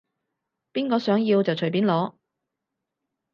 邊個想要就隨便攞